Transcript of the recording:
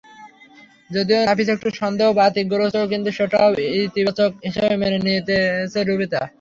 যদিও নাফিস একটু সন্দেহ বাতিকগ্রস্ত কিন্তু সেটাও ইতিবাচক হিসেবেই মেনে নিয়েছে রুবিতা।